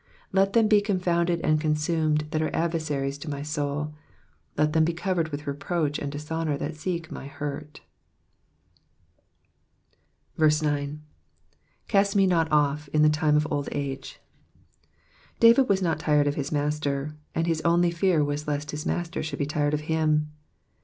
13 Let them be confounded and consumed that are adversa ries to my soul ; let them be covered with reproach and dishonour that seek my hurt. Digitized by VjOOQIC PSALM THE SEVENTY FIRST, 297 9. "CXm^ me not off in the time of old age.^^ David was not tired of hia Master, and bis only fear was lest his Master should be tired of him.